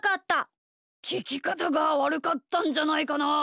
ききかたがわるかったんじゃないかな？